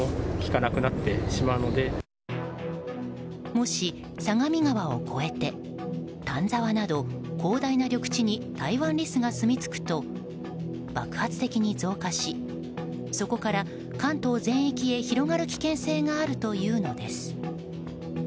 もし、相模川を越えて丹沢など広大な緑地にタイワンリスがすみつくと爆発的に増加しそこから関東全域へ広がる危険性があるというのです。